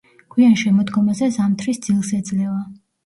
გვიან შემოდგომაზე ზამთრის ძილს ეძლევა.